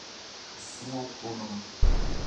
ação autônoma